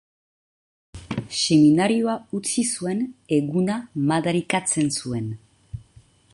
Seminarioa utzi zuen eguna madarikatzen zuen.